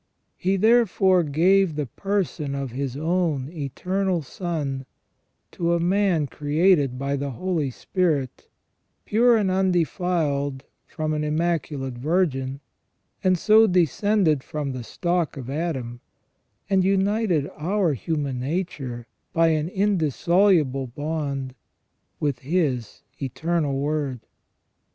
He, therefore, gave the Person of His own Eternal Son to a man created by the Holy Spirit pure and undefiled from an Immaculate Virgin, and so descended from the stock of Adam, and united our human nature by an indissoluble bond with His Eternal Word.